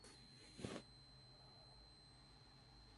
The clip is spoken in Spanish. La parte inferior de la grupa presenta un tinte color ante.